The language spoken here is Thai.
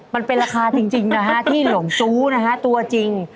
มันเป็นราคาจริงที่เหลวอมสู้ตัวจริง